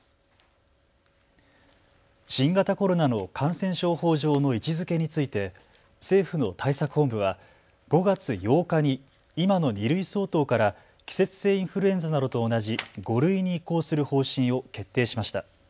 新型コロナの感染症法上の位置づけについて政府の対策本部は５月８日に今の２類相当から季節性インフルエンザなどと同じ５類に移行する方針を決定しました。